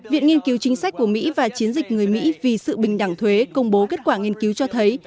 viện nghiên cứu chính sách của mỹ và chiến dịch người mỹ vì sự bình đẳng thuế công bố kết quả nghiên cứu cho thấy